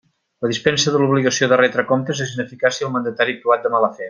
La dispensa de l'obligació de retre comptes és ineficaç si el mandatari ha actuat de mala fe.